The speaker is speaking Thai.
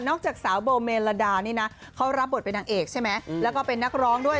จากสาวโบเมลดานี่นะเขารับบทเป็นนางเอกใช่ไหมแล้วก็เป็นนักร้องด้วย